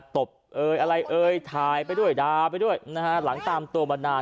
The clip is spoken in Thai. ตบเอ่ยอะไรเอ่ยทายไปด้วยดาไปด้วยหลังตามตัวบันดาล